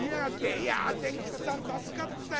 いや伝吉っつぁん助かったよ。